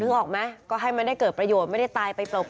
นึกออกไหมก็ให้มันได้เกิดประโยชน์ไม่ได้ตายไปเปิวแล้วนะคะ